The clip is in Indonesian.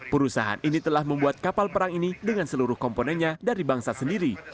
perusahaan ini telah membuat kapal perang ini dengan seluruh komponennya dari bangsa sendiri